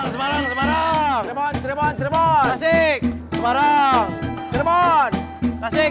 semarang semarang semarang